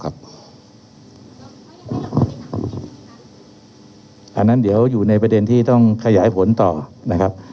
อันนั้นเดี๋ยวอยู่ในประเด็นที่ต้องขยายผลต่อนะครับ